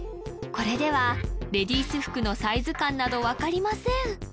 これではレディース服のサイズ感など分かりません